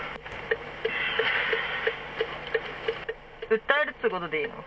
訴えるっていうことでいいの？